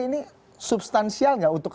ini substansial tidak untuk